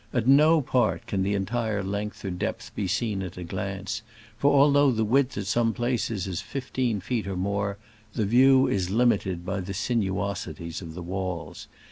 At no part can the entire length or depth be seen at a glance, for, although the width at some places is fifteen feet or more, the view is limited by the sinuosities of the walls.